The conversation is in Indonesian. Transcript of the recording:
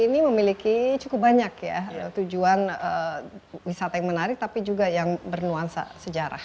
ini memiliki cukup banyak ya tujuan wisata yang menarik tapi juga yang bernuansa sejarah